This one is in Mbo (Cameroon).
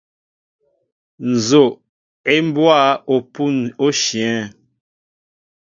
Nzoʼ e mɓɔa opun oshyɛέŋ.